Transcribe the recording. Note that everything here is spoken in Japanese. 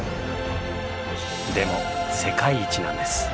でも世界一なんです。